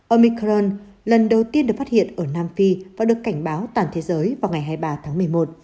omicron lần đầu tiên được phát hiện ở nam phi và được cảnh báo toàn thế giới vào ngày hai mươi ba tháng một mươi một